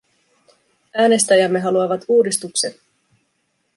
Äänestäjämme haluavat uudistuksen.